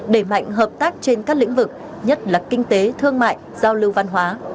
đẩy mạnh hợp tác trên các lĩnh vực nhất là kinh tế thương mại giao lưu văn hóa